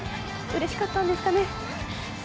うれしかったんですかね。